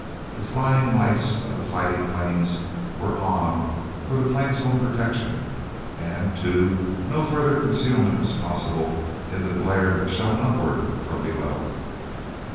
The flying lights of the fighting planes were on for the planes' own protection; and, too, no further concealment was possible in the glare that shone upward from below.